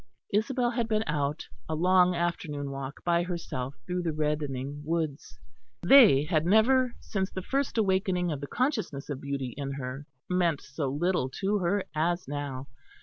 Isabel had been out a long afternoon walk by herself through the reddening woods. They had never, since the first awakening of the consciousness of beauty in her, meant so little to her as now.